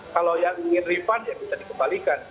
kalau yang ingin refund ya bisa dikembalikan